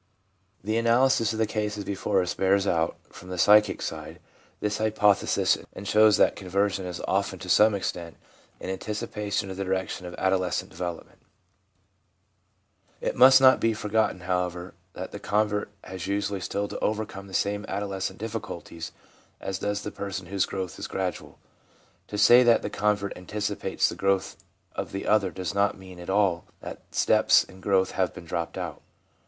The analysis of the cases before us bears out, from the psychic side, this hypothesis, and shows that conversion is often, to some extent, an anticipation of the direction of adol escent development. VIEW OF THE LINE OF RELIGIOUS GROWTH 407 It must not be forgotten, however, that the convert has usually still to overcome the same adolescent diffi culties as does the person whose growth is gradual. To say that the convert anticipates the growth of the other does not mean at all that steps in growth have been dropped out.